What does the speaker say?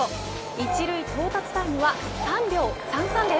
１塁到達タイマー３秒３３です。